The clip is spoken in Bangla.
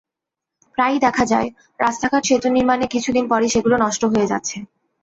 প্রায়ই দেখা যায়, রাস্তাঘাট, সেতু নির্মাণের কিছুদিন পরই সেগুলো নষ্ট হয়ে যাচ্ছে।